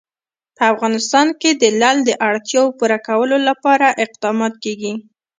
په افغانستان کې د لعل د اړتیاوو پوره کولو لپاره اقدامات کېږي.